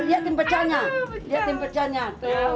lihat pecahnya lihat pecahnya tuh